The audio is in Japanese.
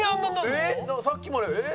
さっきまでええ？